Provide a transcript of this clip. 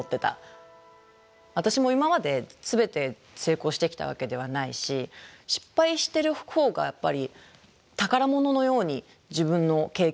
私も今まで全て成功してきたわけではないし失敗してるほうがやっぱり宝物のように自分の経験になってるので。